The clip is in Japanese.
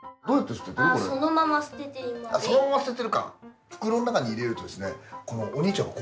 そのまま捨ててるか。